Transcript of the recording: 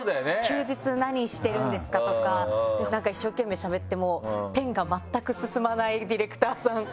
「休日何してるんですか？」とかなんか一生懸命しゃべってもペンが全く進まないディレクターさん